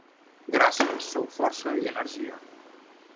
Gràcies sou força i energia.